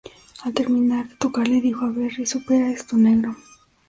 Al terminar de tocar le dijo a Berry "Supera esto, negro".